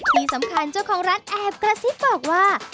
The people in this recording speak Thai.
ที่สำคัญเจ้าของร้านแอบกระซิบบอกว่า